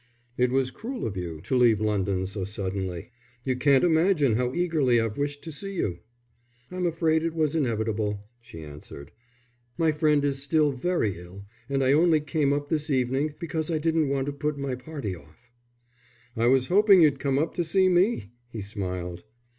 "It was cruel of you to leave London so suddenly. You can't imagine how eagerly I've wished to see you." "I'm afraid it was inevitable," she answered. "My friend is still very ill, and I only came up this evening because I didn't want to put my party off." "I was hoping you'd come up to see me," he smiled.